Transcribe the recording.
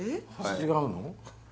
違うの？